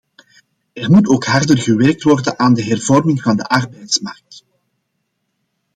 Er moet ook harder gewerkt worden aan de hervorming van de arbeidsmarkt.